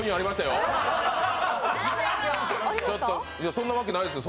そんなわけないですよ。